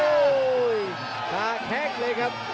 โอ้จะแค้งเลยครับ